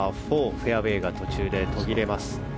フェアウェーが途中で途切れます。